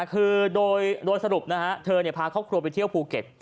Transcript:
คือโดยสรุปนะฮะเธอพาครอบครัวไปเที่ยวภูเก็ต